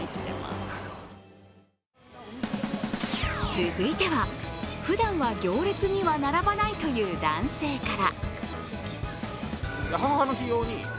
続いては、ふだんは行列には並ばないという男性から。